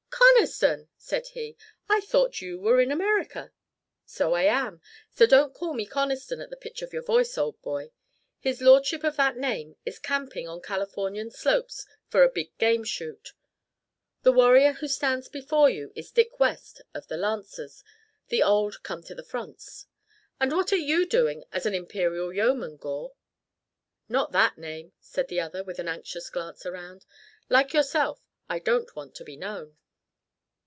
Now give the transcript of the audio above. "Conniston," said he, "I thought you were in America." "So I am; so don't call me Conniston at the pitch of your voice, old boy. His lordship of that name is camping on Californian slopes for a big game shoot. The warrior who stands before you is Dick West of the Lancers, the old Come to the Fronts. And what are you doing as an Imperial Yeoman, Gore?" "Not that name," said the other, with an anxious glance around. "Like yourself, I don't want to be known."